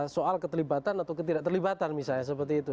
soal ketelibatan atau ketidak terlibatan misalnya seperti itu